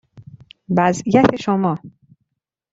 وضعیت شما،